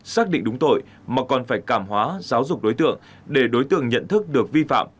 xác định đúng tội mà còn phải cảm hóa giáo dục đối tượng để đối tượng nhận thức được vi phạm